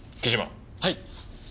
はい。